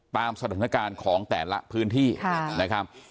ตามสถานการณ์ของแต่ละพื้นที่นะครับ